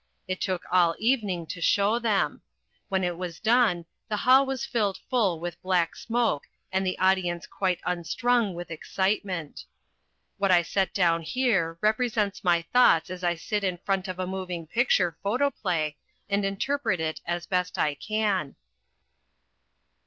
It took all evening to show them. When it was done the hall was filled full with black smoke and the audience quite unstrung with excitement. What I set down here represents my thoughts as I sit in front of a moving picture photoplay and interpret it as best I can.